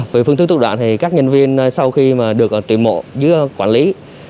về phương thức tục đoạn các nhân viên sau khi được tuyển mộ dưới quản lý